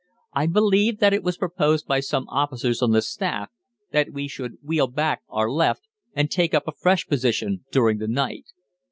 I believe that it was proposed by some officers on the staff that we should wheel back our left and take up a fresh position during the night.